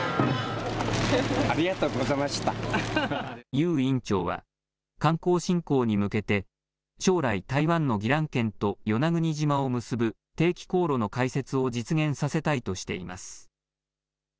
游院長は観光振興に向けて将来、台湾の宜蘭県と与那国島を結ぶ定期航路の開設を実現させたいとしています。